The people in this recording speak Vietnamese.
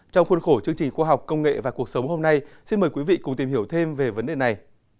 trong khuôn khổ chương trình khoa học công nghệ và cuộc sống hôm nay xin mời quý vị cùng tìm hiểu thêm về vấn đề này